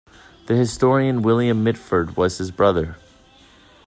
The historian William Mitford was his brother.